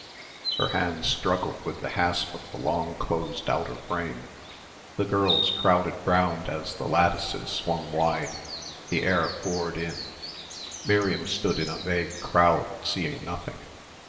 Her hands struggled with the hasp of the long closed outer frame. The girls crowded round as the lattices swung wide. The air poured in. Miriam stood in a vague crowd seeing nothing.